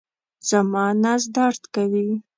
زما نس درد کوي